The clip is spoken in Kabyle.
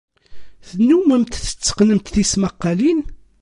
Tennummemt tetteqqnemt tismaqqalin?